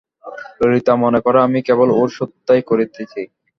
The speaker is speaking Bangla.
ললিতা মনে করে আমি কেবল ওর শত্রুতাই করিতেছি!